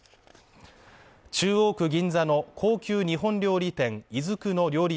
中央区銀座の高級日本料理店いづくの料理